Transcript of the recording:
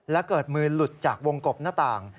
และเกิดมือหลุดจากวงกบหน้าต่าง